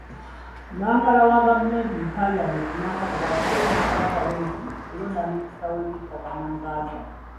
Nampala wa gavumenti mu palamenti Nankabirwa, avuddeyo n'asaba abalonzi okulonda Minisita w’eby'ettaka Namuganza.